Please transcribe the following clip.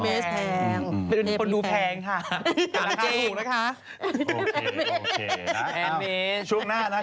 เป็นคนดูแพงค่ะแต่ราคาถูกนะคะ